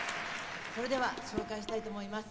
それでは紹介したいと思います。